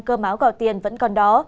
cơm áo gọi tiền vẫn còn đó